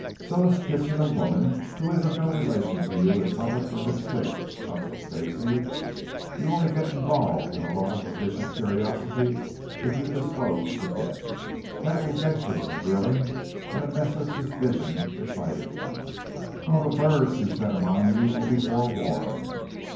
"So is kissing a woman who is of no relation to you, in public in this state," chuckled Stacey. "You'll only get involved in a lot of official curiosity if you disclose the death. That will get you a grilling and a mess of suspicion to fight against, while the birds who set him on you will be forewarned.